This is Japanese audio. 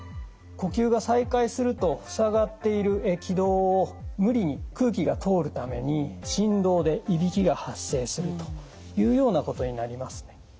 呼吸が再開するとふさがっている気道を無理に空気が通るために振動でいびきが発生するというようなことになりますね。